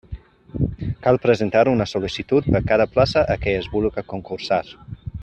Cal presentar una sol·licitud per cada plaça a què es vulga concursar.